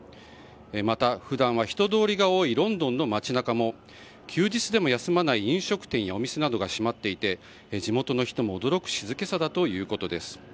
また、普段は人通りが多いロンドンの街中も休日でも休まない飲食店やお店などが閉まっていて、地元の人も驚く静けさだということです。